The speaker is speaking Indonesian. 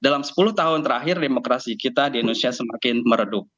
dalam sepuluh tahun terakhir demokrasi kita di indonesia semakin meredup